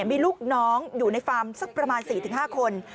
มีลูกน้องอยู่ในฟาร์มสักประมาณ๔๕คน